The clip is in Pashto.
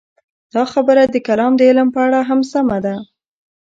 دا خبره د کلام د علم په اړه هم سمه ده.